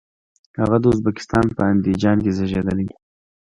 هغه د ازبکستان په اندیجان کې زیږیدلی.